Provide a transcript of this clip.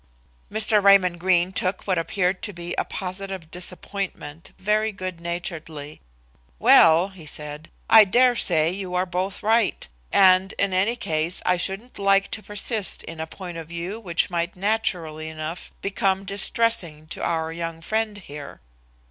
Mr. Raymond Greene took what appeared to be a positive disappointment very good naturedly. "Well," he said, "I dare say you are both right, and in any case I shouldn't like to persist in a point of view which might naturally enough become distressing to our young friend here.